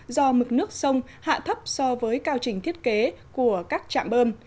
do mực nước sông hạ thấp so với cao trình thiết kế của các trạm bơm